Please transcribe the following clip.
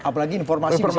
apalagi informasi bisa beredar